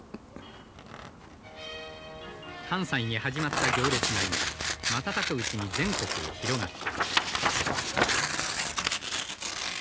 「関西に始まった行列買いは瞬くうちに全国へ広がった」。